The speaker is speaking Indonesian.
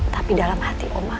tapi dalam hati omah